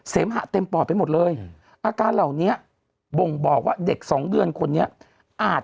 หะเต็มปอดไปหมดเลยอาการเหล่านี้บ่งบอกว่าเด็กสองเดือนคนนี้อาจ